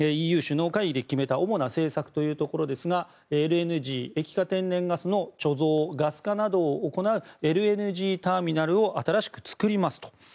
ＥＵ首脳会談で決めた主な政策というところですがＬＮＧ・液化天然ガスの貯蔵、ガス化などを行うＬＮＧターミナルを新しく作りますと。